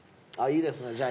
ああいいですね。